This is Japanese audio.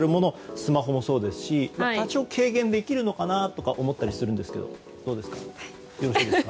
スマホもそうですが多少軽減されるのかなと思ったりするんですがどうですか。